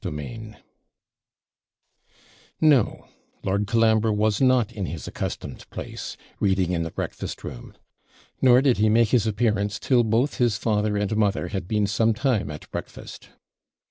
CHAPTER XIV No Lord Colambre was not in his accustomed place, reading in the breakfast room: nor did he make his appearance till both his father and mother had been some time at breakfast.